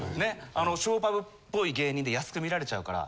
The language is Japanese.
ショーパブっぽい芸人で安く見られちゃうから。